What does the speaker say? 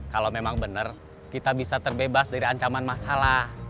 kalau memang benar kita bisa terbebas dari ancaman masalah